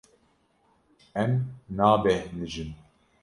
Em nabêhnijin.